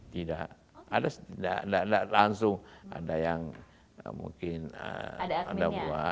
tidak ada langsung ada yang mungkin ada akmennya